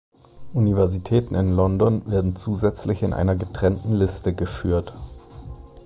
Universitäten in London werden zusätzlich in einer getrennten Liste geführt.